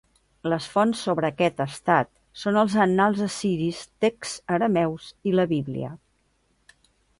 Les fonts sobre aquest estat són els annals assiris, texts arameus i la Bíblia.